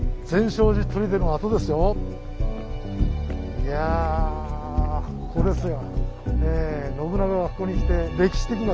いやここですよ。